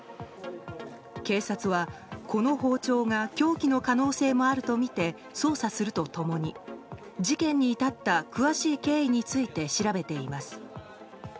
警察は、この包丁が凶器の可能性もあるとみて捜査すると共に、事件に至った詳しい経緯について調べています。